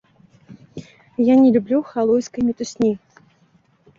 Я не люблю халуйскай мітусні.